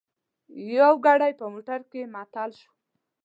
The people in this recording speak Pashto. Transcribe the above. یو ګړی په موټر کې معطل شوو.